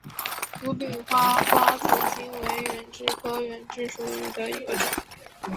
无柄花瓜子金为远志科远志属下的一个种。